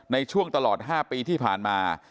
ในช่วงตลอด๕ปีที่ผ่านมา